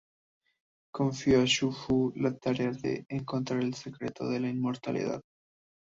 Confió a Xu Fu la tarea de encontrar el secreto de la inmortalidad.